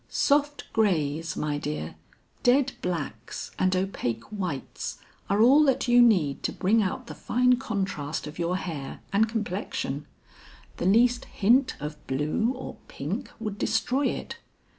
'Soft grays, my dear, dead blacks and opaque whites are all that you need to bring out the fine contrast of your hair and complexion; the least hint of blue or pink would destroy it.'